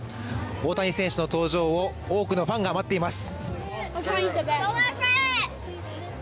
大谷選手の登場を多くのファンが待っています。